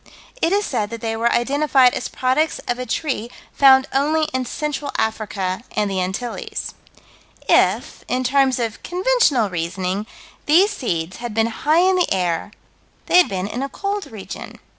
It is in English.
It is said that they were identified as products of a tree found only in Central Africa and the Antilles. If in terms of conventional reasoning these seeds had been high in the air, they had been in a cold region.